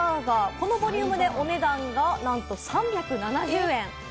このボリュームでお値段が、なんと３７０円！